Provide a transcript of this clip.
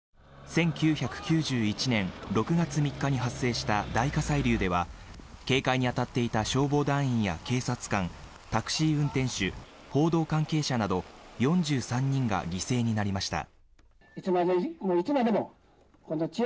１９９１年６月３日に発生した大火砕流では警戒に当たっていた消防団員や警察官タクシー運転手報道関係者など４３人が犠牲になりました。